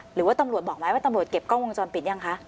หรือว่าตำรวจบอกไหมว่าตำรวจเก็บกล้องวงจรปิดยังคะ